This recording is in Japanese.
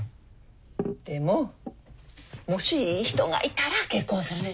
でももしいい人がいたら結婚するでしょう？